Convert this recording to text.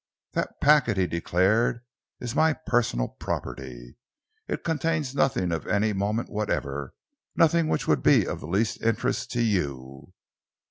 "That packet," he declared, "is my personal property. It contains nothing of any moment whatever, nothing which would be of the least interest to you."